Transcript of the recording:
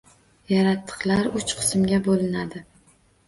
Yaratiqlar uch qismga bo‘linadi